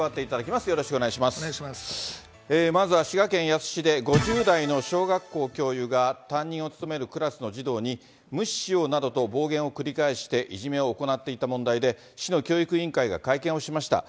まずは滋賀県野洲市で、５０代の小学校教諭が担任を務めるクラスの児童に、無視しようなどと暴言を繰り返していじめを行っていた問題で、市の教育委員会が会見をしました。